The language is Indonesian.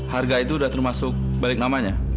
harga itu sudah termasuk balik namanya